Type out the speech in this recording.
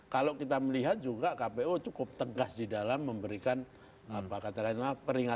kalau kita melihat juga kpu cukup tegas di dalam memberikan apa katakanlah